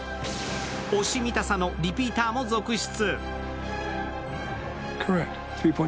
推し見たさのリピーターも続出。